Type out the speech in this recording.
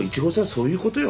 そういうことよ。